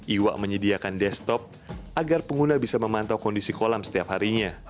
iwa menyediakan desktop agar pengguna bisa memantau kondisi kolam setiap harinya